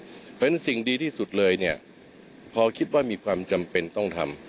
เพราะฉะนั้นสิ่งดีที่สุดเลยเนี่ยพอคิดว่ามีความจำเป็นต้องทำ